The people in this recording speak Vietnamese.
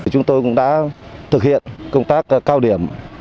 chúng tôi cũng đã thực hiện công tác cao điểm